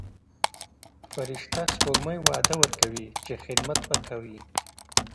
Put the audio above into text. فرشته سپوږمۍ وعده ورکوي چې خدمت به کوي.